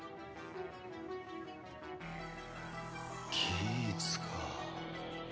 ギーツか。